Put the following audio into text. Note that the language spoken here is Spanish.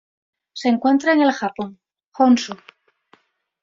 Se encuentra en el Japón: Honshu.